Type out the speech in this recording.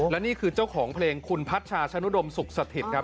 และนี่คือเจ้าของเพลงคุณพัชชาชนุดมสุขสถิตครับ